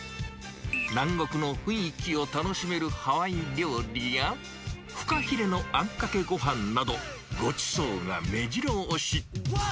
南国の雰囲気を楽しめるハワイ料理や、フカヒレのあんかけごはんなど、ごちそうがめじろ押し。